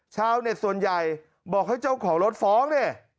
ชาวเน็ตส่วนใหญ่บอกให้เจ้าของรถฟ้องเนี่ย